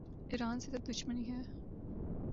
ایران سے تو دشمنی ہے۔